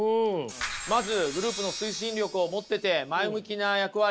まずグループの推進力を持ってて前向きな役割。